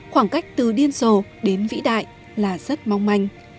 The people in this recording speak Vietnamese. khoảng cách từ điên rồ đến vĩ đại là rất mong manh